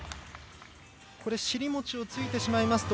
尻餅をついてしまいますと。